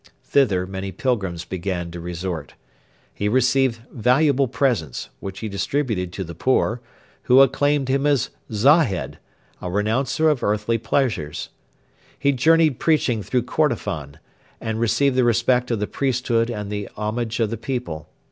Thither many pilgrims began to resort. He received valuable presents, which he distributed to the poor, who acclaimed him as 'Zahed' a renouncer of earthly pleasures. He journeyed preaching through Kordofan, and received the respect of the priesthood and the homage of the people.